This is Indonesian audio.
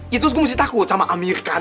gitu terus gue mesti takut sama amirkan